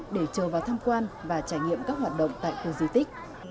để chờ vào tham quan và trải nghiệm các hoạt động tại khu di tích